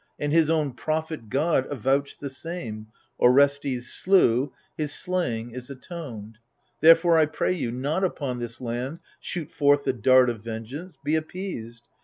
And his own prophet god avouched the same, Orestes slew : his slaying is atonecL Therefore I pray you, not upon this land Shoot forth the dart of vengeance ; be appeased.